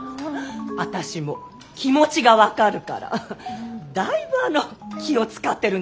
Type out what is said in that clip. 私も気持ちが分かるからだいぶあの気を遣ってるんですけどね。